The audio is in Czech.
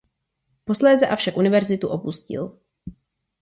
Posléze avšak univerzitu opustil.